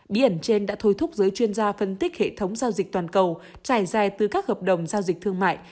bí ẩn trên đã thôi thúc giới chuyên gia phân tích hệ thống giao dịch toàn cầu trải dài từ các hợp đồng giao dịch thương mại